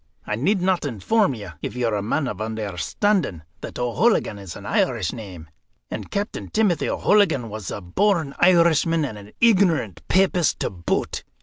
I need not inform you, if you're a man of understanding, that O'Hooligan is an Irish name, and Captain Timothy O'Hooligan was a born Irishman and an ignorant papist to boot.